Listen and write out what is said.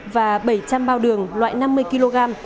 và bảy trăm linh bao đường loại năm mươi kg